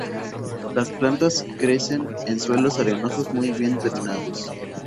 Las plantas crecen en suelos arenosos muy bien drenados.